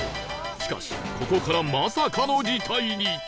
しかしここからまさかの事態に！